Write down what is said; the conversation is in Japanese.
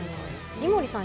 井森さん